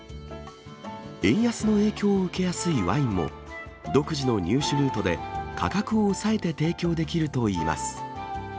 円安の影響を受けやすいワインも、独自の入手ルートで、価格を抑えて提供できるといいます。